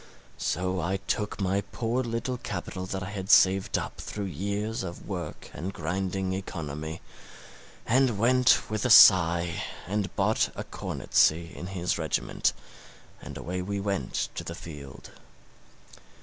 So I took my poor little capital that I had saved up through years of work and grinding economy, and went with a sigh and bought a cornetcy in his regiment, and away we went to the field.